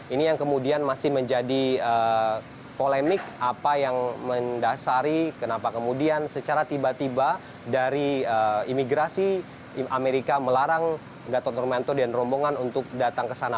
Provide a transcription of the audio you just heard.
ini yang kemudian masih menjadi polemik apa yang mendasari kenapa kemudian secara tiba tiba dari imigrasi amerika melarang gatot nurmanto dan rombongan untuk datang ke sana